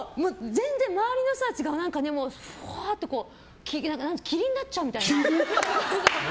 全然周りの人たちがふぁーって何というか霧になっちゃうみたいな。